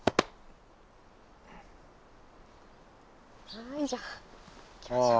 はいじゃあ行きましょうか。